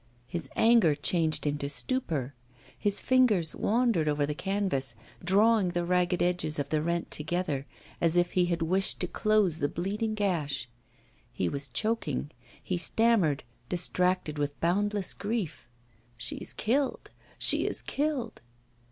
His anger changed into stupor; his fingers wandered over the canvas, drawing the ragged edges of the rent together, as if he had wished to close the bleeding gash. He was choking; he stammered, distracted with boundless grief: 'She is killed, she is killed!